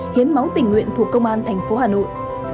hiến máu tình nguyện thuộc công an thành phố hà nội